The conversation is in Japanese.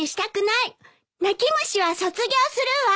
泣き虫は卒業するわ！